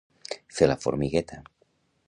Fer la formigueta.